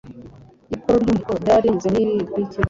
Ikoro ry'umuheto ryari rigizwe n'ibi bikurikira